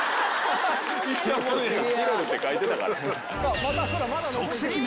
チロルって書いてたから。